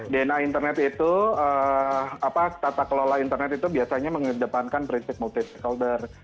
dna internet itu tata kelola internet itu biasanya mengedepankan prinsip multi stakeholder